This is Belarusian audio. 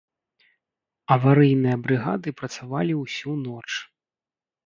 Аварыйныя брыгады працавалі ўсю ноч.